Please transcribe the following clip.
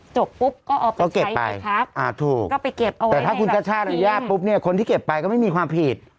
จบปุ๊บก็เอาไปใช้พี่ครับ